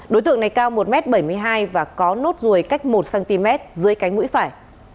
đối tượng này cao một m bảy mươi hai và có nốt ruồi cách một cm dưới cánh mũi phải